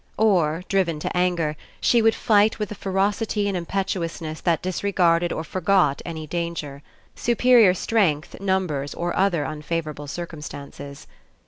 Or, driven to anger, she would fight with a ferocity and impetuousness that disregarded or forgot any danger; superior strength, numbers, or other unfavourable cir cumstances.